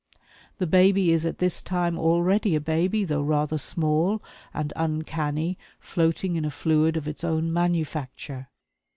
The baby is at this time already a baby, though rather small and uncanny, floating in a fluid of its own manufacture.